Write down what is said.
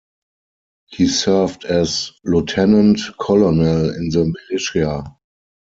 He served as lieutenant-colonel in the militia.